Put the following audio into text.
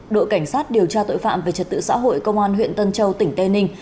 đội cảnh sát điều tra tội phạm về trật tự xã hội công an huyện tân châu tỉnh tây ninh